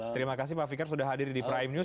terima kasih pak fikar sudah hadir di prime news